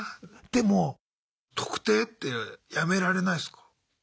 でも「特定」ってやめられないすか？